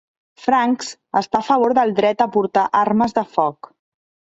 Franks està a favor del dret a portar armes de foc.